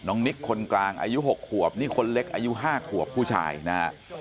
นิกคนกลางอายุ๖ขวบนี่คนเล็กอายุ๕ขวบผู้ชายนะฮะ